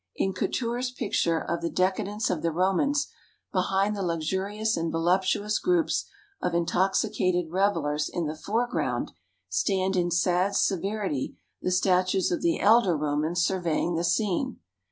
In Couture's picture of the "Decadence of the Romans," behind the luxurious and voluptuous groups of intoxicated revellers in the foreground stand in sad severity the statues of the elder Romans surveying the scene.